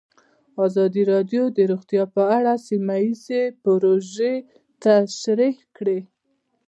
ازادي راډیو د روغتیا په اړه سیمه ییزې پروژې تشریح کړې.